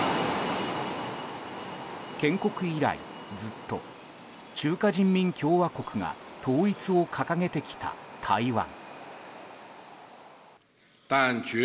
建国以来、ずっと中華人民共和国が統一を掲げてきた台湾。